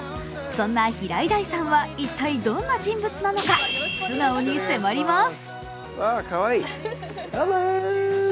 そんな平井大さんは一体どんな人物なのか、素顔に迫ります。